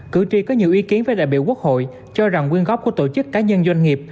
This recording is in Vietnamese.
cử tri có nhiều ý kiến với đại biểu quốc hội cho rằng quyên góp của tổ chức cá nhân doanh nghiệp